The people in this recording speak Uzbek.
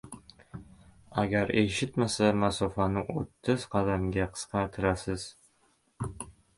Agar eshitmasa, masofani oʻttiz qadamga qisqartirasiz.